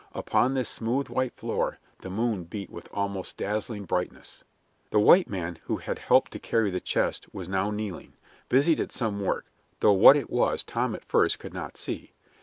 Upon this smooth, white floor the moon beat with almost dazzling brightness. The white man who had helped to carry the chest was now kneeling, busied at some work, though what it was Tom at first could not see.